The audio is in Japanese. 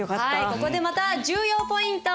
ここでまた重要ポイント！